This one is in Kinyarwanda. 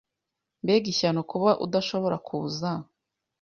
Mbega ishyano kuba udashobora kuza!